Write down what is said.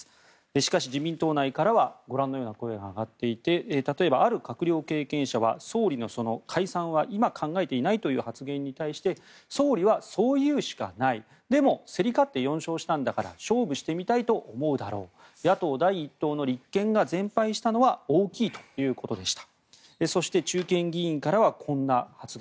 しかし、自民党内からはご覧のような声が上がっていて例えばある閣僚経験者は総理の、解散は考えていないという発言に対して総理はそう言うしかないでも、競り勝って４勝したんだから勝負してみたいと思うだろう野党第１党の立憲が全敗したのは大きいということでした。